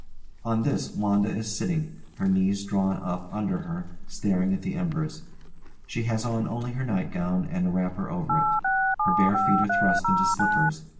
[On this WANDA is sitting, her knees drawn up under her, staring at the embers. She has on only her nightgown and a wrapper over it; her bare feet are thrust into slippers.